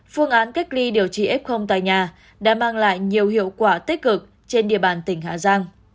phương án cách ly điều trị f tại nhà đã mang lại nhiều hiệu quả tích cực trên địa bàn tỉnh hà giang